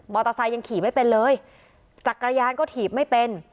มอเตอร์ไซด์ยังขี่ไม่เป็นเลยจักรยานก็ถีบไม่เป็น